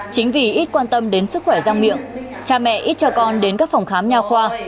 chính vì ít quan tâm đến sức khỏe răng miệng cha mẹ ít cho con đến các phòng khám nhà khoa